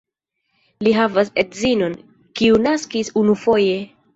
Li havas edzinon, kiu naskis unufoje.